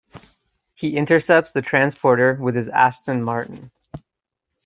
He intercepts the transporter with his Aston Martin.